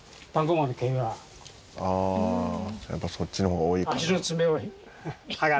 「ああやっぱそっちの方が多いか」